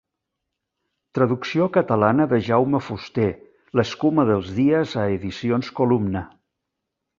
Traducció catalana de Jaume Fuster L'escuma dels dies a Edicions Columna.